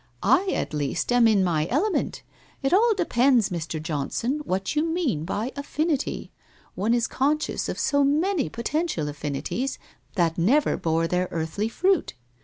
I, at least, am in my element. It all depends, Mr. Johnson, what you mean by affinity? One is conscious of so many potential WHITE ROSE OF WEARY LEAF 91 affinities, that never bore their earthly fruit!